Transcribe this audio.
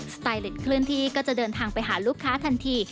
สไตเล็ตเคลื่อนที่ก็จะเดินทางไปหาลูกค้าทันที